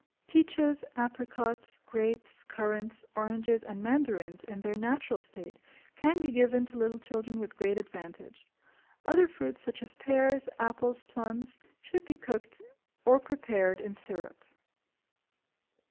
Peaches, apricots, grapes, currants, oranges, and mandarins, in their natural state, can be given to little children with great advantage. Other fruits, such as pears, apples, plums, should be cooked or prepared in syrup.